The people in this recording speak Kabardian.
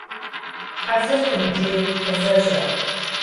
Хьэзыркъым иджыри, къызэжьэ.